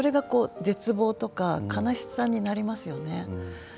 絶望とか悲しさになりますよね。